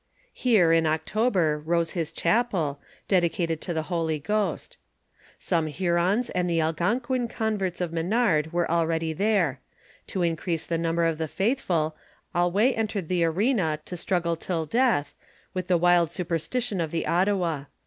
Here, in October, rose his chapel, dedi cated to the Holy Ghost Some Hurone and the Algonquin converts of Menard were already there ; to increase the number of the faithful, Allouez entered the arena to struggle till death, with the wild superstition of the Ottawa.